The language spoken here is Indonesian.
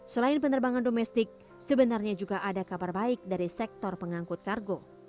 selain penerbangan domestik sebenarnya juga ada kabar baik dari sektor pengangkut kargo